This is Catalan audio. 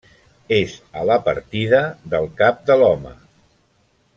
És a la partida del Cap de l'Home.